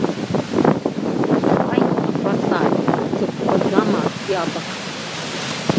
Ҳаи, афы асааит, сҵыкәкәаӡама, иабахәа!